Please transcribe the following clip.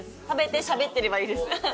食べてしゃべってればいいです。